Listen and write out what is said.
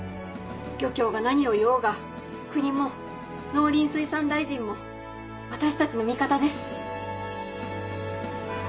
漁協が何を言おうが国も農林水産大臣も私たちの味方です。